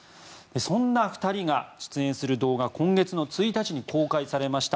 そんな２人が出演する動画今月の１日に公開されました。